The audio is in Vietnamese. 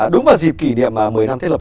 đúng vào dịp kỷ niệm một mươi năm thiết lập